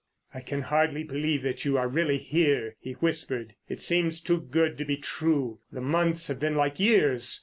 "I can hardly believe that you are really here," he whispered. "It seems too good to be true. The months have been like years.